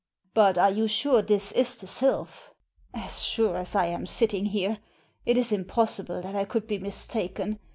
" But are you sure this is the Sylpk ?" "As sure as that I am sitting here. It is impossible that I could be mistaken.